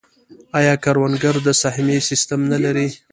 آیا کروندګر د سهمیې سیستم نلري؟